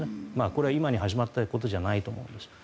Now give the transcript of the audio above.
これは今に始まったことではないと思うんですが。